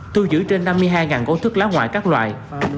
thu giữ trên năm mươi hai gỗ thức lá ngoại các loại